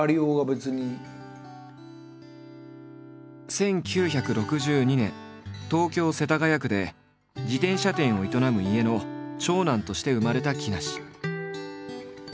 １９６２年東京世田谷区で自転車店を営む家の長男として生まれた木梨。